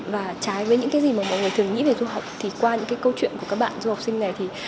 và trái với những cái gì mà mọi người thường nghĩ về du học thì qua những cái câu chuyện của các bạn du học sinh này thì